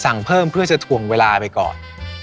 เพิ่มเพื่อจะถ่วงเวลาไปก่อน